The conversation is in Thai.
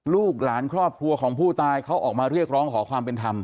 ลูกหลานครอบครัวของผู้ตายเขาออกมาเรียกร้องขอความเป็นธรรม